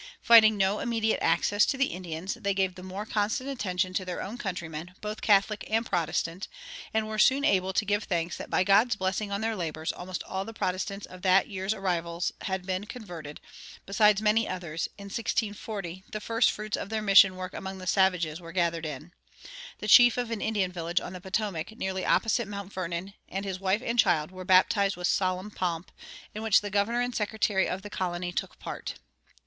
Finding no immediate access to the Indians, they gave the more constant attention to their own countrymen, both Catholic and Protestant, and were soon able to give thanks that by God's blessing on their labors almost all the Protestants of that year's arrival had been converted, besides many others. In 1640 the first fruits of their mission work among the savages were gathered in; the chief of an Indian village on the Potomac nearly opposite Mount Vernon, and his wife and child, were baptized with solemn pomp, in which the governor and secretary of the colony took part.